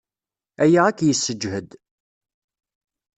Aya ad k-yessejhed.